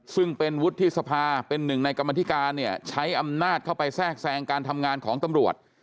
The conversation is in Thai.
ซึ่งเป็นวุฒิสภาเป็นหนึ่งในกรรมธิการเนี่ยใช้อำนาจเข้าไปแทรกแทรงการทำงานของตำรวจ